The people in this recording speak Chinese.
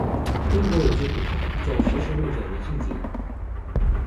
中国有句古话，叫“识时务者为俊杰”。